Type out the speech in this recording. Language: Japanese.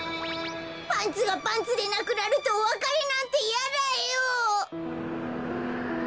パンツがパンツでなくなるとおわかれなんてやだよ！